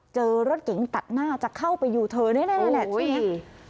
เจอรถเก๋งตัดหน้าจะเข้าไปอยู่เถอะนี่แน่แหละ